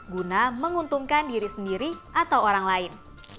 guna menguntungkan diri sendiri atau orang lain